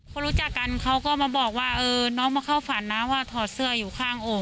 เขารู้จักกันเขาก็มาบอกว่าเออน้องมาเข้าฝันนะว่าถอดเสื้ออยู่ข้างโอ่ง